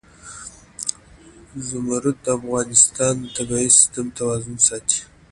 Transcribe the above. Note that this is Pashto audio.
زمرد د افغانستان د طبعي سیسټم توازن ساتي.